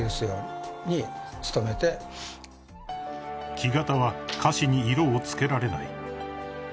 ［木型は菓子に色を付けられない］